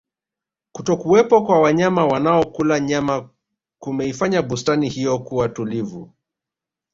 kutokuwepo kwa wanyama wanaokula nyama kumeifanya bustani hiyo kuwa tulivu